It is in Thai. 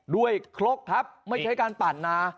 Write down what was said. ครกครับไม่ใช่การปั่นนะ